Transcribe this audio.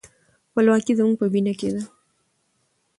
خپلواکي زموږ په وینه کې ده.